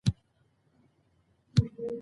نجونې به تر هغه وخته پورې انټرنیټ کاروي.